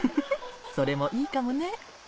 それもいいかもね